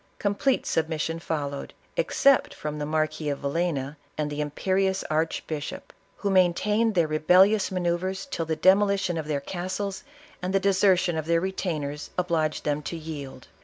Complete submission followed, except from the Mar quis of Villcnu and the imperious arehbishop, who main tained their rebellious manoeuvres till the demolition of their castles and the desertion of their retainers, obliged them to yield.